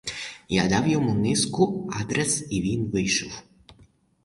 Я дав йому низку адрес і він вийшов.